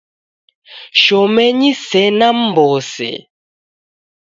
Shomenyi sena mmbose